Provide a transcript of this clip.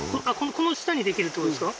この下にできるってことですか？